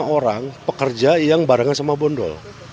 lima orang pekerja yang barengan sama bondol